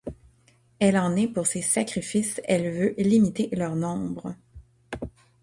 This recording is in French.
Elle en est pour ses sacrifices, et veut limiter leur nombre.